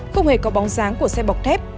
không hề có bóng dáng của xe bọc thép